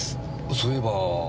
そういえば。